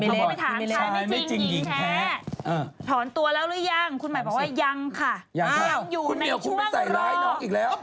คุณบอยน์ไม่ถามใช้ไม่จริงยิงแท้ถอนตัวแล้วหรือยังคุณหมายบอกว่ายังค่ะ